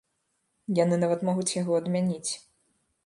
Яны нават могуць яго адмяніць.